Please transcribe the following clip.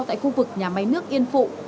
tại khu vực nhà máy nước yên phụ